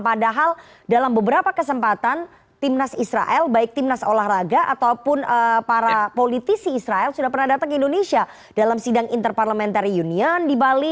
padahal dalam beberapa kesempatan timnas israel baik timnas olahraga ataupun para politisi israel sudah pernah datang ke indonesia dalam sidang interparliamentary union di bali